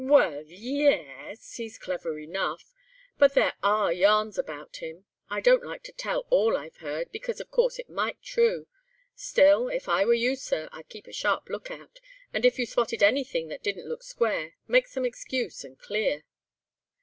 "Well—ye—es! he's clever enough, but there are yarns about him. I don't like to tell all I've heard, because, of course, it mightn't be true. Still, if I were you, sir, I'd keep a sharp look out, and if you spotted anything that didn't look square, make some excuse and clear."